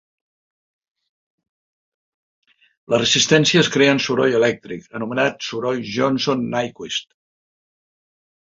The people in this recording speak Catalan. Les resistències creen soroll elèctric, anomenat soroll Johnson-Nyquist.